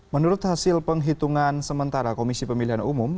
menurut hasil penghitungan sementara komisi pemilihan umum